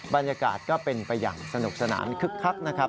บรรยากาศก็เป็นไปอย่างสนุกสนานคึกคักนะครับ